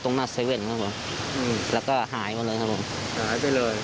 หน้าเซเว่นครับผมอืมแล้วก็หายหมดเลยครับผมหายไปเลย